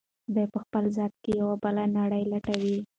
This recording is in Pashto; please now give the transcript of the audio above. دی په خپل ذات کې یوه بله نړۍ لټوي.